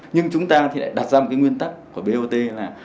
nhưng chúng ta thì lại đặt ra một cái nguyên tắc của bot là